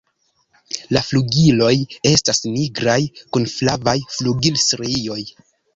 La flugiloj estas nigraj kun flavaj flugilstrioj.